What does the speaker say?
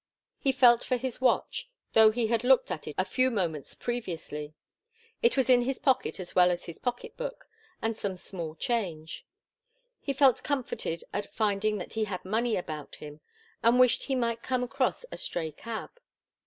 He felt for his watch, though he had looked at it a few moments previously. It was in his pocket as well as his pocket book and some small change. He felt comforted at finding that he had money about him, and wished he might come across a stray cab.